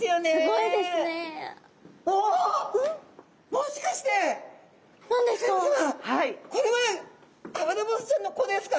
もしかして高山さまこれはアブラボウズちゃんの子ですか？